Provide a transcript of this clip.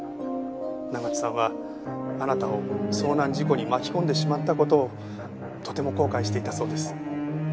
長津さんはあなたを遭難事故に巻き込んでしまった事をとても後悔していたそうです。